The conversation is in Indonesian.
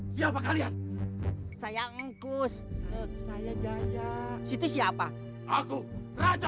siapa kalian sayangkus saya jaya situ siapa aku raja